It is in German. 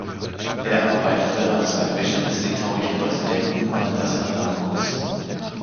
Er arbeitete als Leibwächter des litauischen Präsidenten Valdas Adamkus.